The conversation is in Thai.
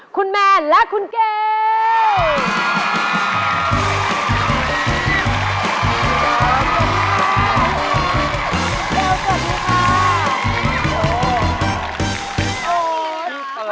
คุณแมนและคุณเกม